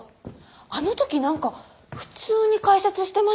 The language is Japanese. あの時なんか普通に解説してましたよね先生。